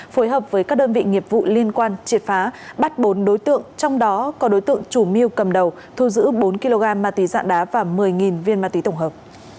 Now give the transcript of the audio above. phối hợp với các đơn vị nghiệp vụ liên quan triệt phá bắt bốn đối tượng trong đó có đối tượng chủ mưu cầm đầu thu giữ bốn kg ma túy dạng đá và một mươi viên ma túy tổng hợp